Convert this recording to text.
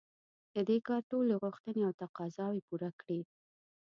د دې کار ټولې غوښتنې او تقاضاوې پوره کړي.